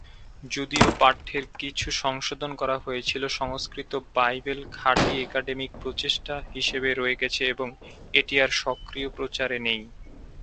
যদিও পাঠ্যের কিছু সংশোধন করা হয়েছিল, সংস্কৃত বাইবেল খাঁটি একাডেমিক প্রচেষ্টা হিসাবে রয়ে গেছে এবং এটি আর সক্রিয় প্রচারে নেই।